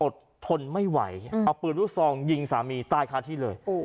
ทนไม่ไหวเอาปืนลูกซองยิงสามีตายค้าที่เลย